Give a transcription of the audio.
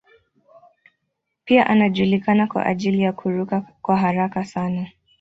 Pia anajulikana kwa ajili ya kuruka kwa haraka sana.